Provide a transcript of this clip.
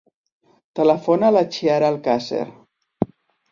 Telefona a la Chiara Alcacer.